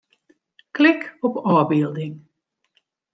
Klik op ôfbylding.